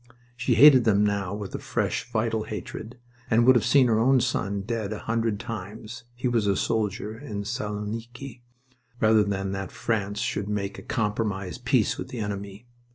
She hated them now with a fresh, vital hatred, and would have seen her own son dead a hundred times he was a soldier in Saloniki rather than that France should make a compromise peace with the enemy.